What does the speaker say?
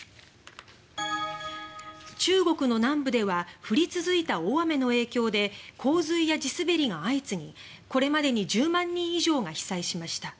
中国の南部では降り続いた大雨の影響で洪水や地滑りが相次ぎこれまでに１０万人以上が被災しました。